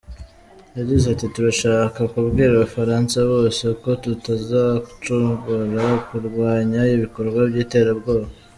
Yagize ati “Turashaka kubwira Abafaransa bose ko tutazacogora ku kurwanya ibikorwa by’iterabwoba.